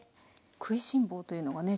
食いしん坊というのがね